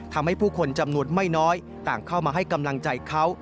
ทำให้ผู้คนจำนวนไม่น้อยต่างเข้ามาให้กำลังใจเขา